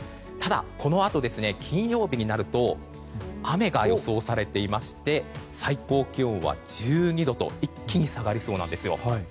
ただ、このあと金曜日になると雨が予想されていまして最高気温は１２度と一気に下がりそうなんですよ。